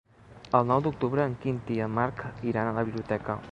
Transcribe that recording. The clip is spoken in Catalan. El nou d'octubre en Quintí i en Marc iran a la biblioteca.